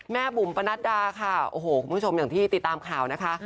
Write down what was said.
บุ๋มปนัดดาค่ะโอ้โหคุณผู้ชมอย่างที่ติดตามข่าวนะคะ